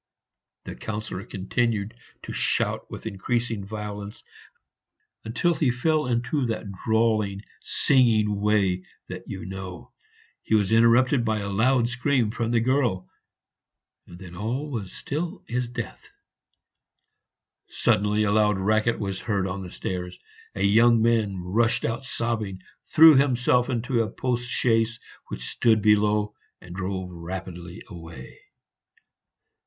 The Councillor continued to shout with increasing violence, until he fell into that drawling, singing way that you know. He was interrupted by a loud scream from the girl, and then all was as still as death. Suddenly a loud racket was heard on the stairs; a young man rushed out sobbing, threw himself into a post chaise which stood below, and drove rapidly away.